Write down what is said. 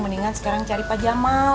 mendingan sekarang cari pak jamal